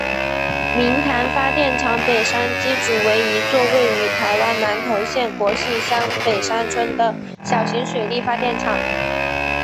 明潭发电厂北山机组为一座位于台湾南投县国姓乡北山村的小型水力发电厂。